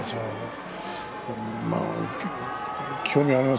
興味があります